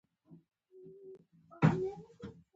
په سوداګرۍ کې نښلوونکو واټونو او لارو فوق العاده ارزښت درلوده.